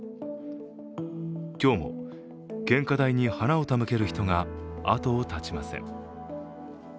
今日も献花台に花を手向ける人が後を絶ちません。